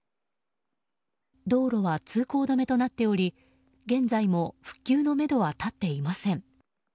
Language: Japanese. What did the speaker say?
道路は通行止めとなっており現在も復旧のめどは立っていません。